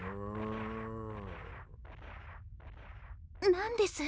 何です？